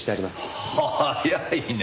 早いね！